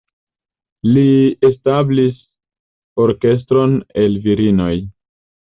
Li establis orkestron el virinoj.